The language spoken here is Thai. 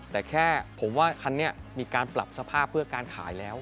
แต่แค่ผมว่าคันนี้มีการปรับสภาพเพื่อการขายแล้ว